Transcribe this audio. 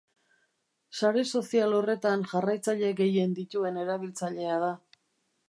Sare sozial horretan jarraitzaile gehien dituen erabiltzailea da.